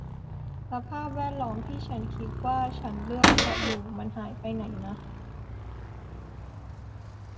สภาพแวดล้อมที่ฉันคิดว่าฉันเลือกจะอยู่ มันหายไปไหนนะ